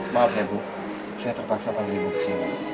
maaf ya bu saya terpaksa panggil ibu pusingan